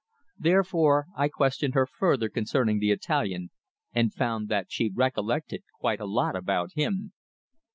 Therefore I questioned her further concerning the Italian, and found that she recollected quite a lot about him.